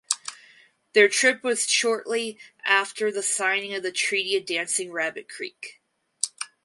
Their trip was shortly after the signing of the Treaty of Dancing Rabbit Creek.